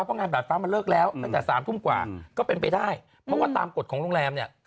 เพราะงานบาดฟ้ามันเลิกแล้วตั้งแต่สามทุ่มกว่าก็เป็นไปได้เพราะว่าตามกฎของโรงแรมเนี่ย